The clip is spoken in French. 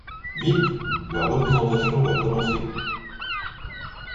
Vite! la représentation va commencer.